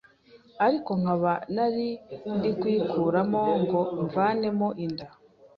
ariko nkaba nari ndikuyikuramo ngo mvanemo inda